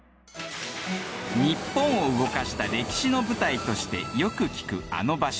ニッポンを動かした歴史の舞台としてよく聞くあの場所。